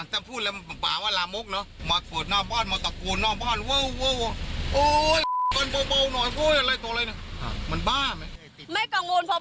แสบพูดแบบเปล่าแบบลามก